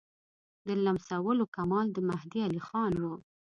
د لمسولو کمال د مهدي علیخان وو.